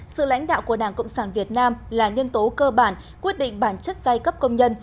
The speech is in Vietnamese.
sự lãnh đạo của đảng cộng sản việt nam là nhân tố cơ bản quyết định bản chất giai cấp công nhân